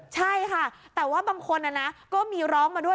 ใช่ค่ะแต่ว่าบางคนก็มีร้องมาด้วย